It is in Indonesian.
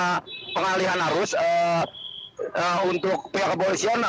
untuk pihak kepolisian mengatur lalu lintas dan meminta pada warga yang berada di lokasi kejadian